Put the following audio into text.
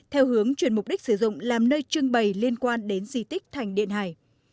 theo hướng chuyển mục đích sử dụng làm nơi trưng bày liên quan đến di tích thành điện hải